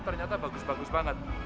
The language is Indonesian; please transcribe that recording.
ternyata bagus bagus banget